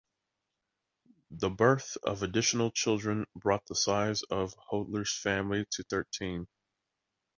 The birth of additional children brought the size of Hodler's family to thirteen.